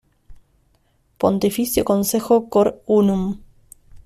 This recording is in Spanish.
Pontificio Consejo Cor Unum